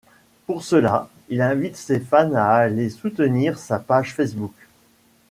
Pour cela, il invite ses fans à aller soutenir sa page Facebook.